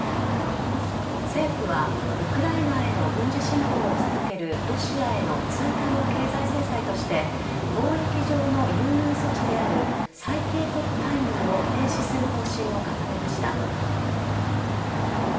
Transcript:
政府はウクライナへの軍事侵攻を続けるロシアへの追加の経済制裁として、貿易上の優遇措置である最恵国待遇を停止する方針を固めました。